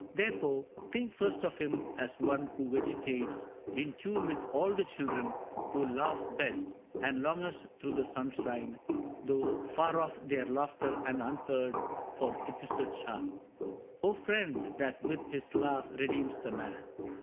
Therefore Think first of him as one who vegetates In tune with all the children who laugh best And longest through the sunshine, though far off Their laughter, and unheard ; for 't is the child, O friend, that with his laugh redeems the man.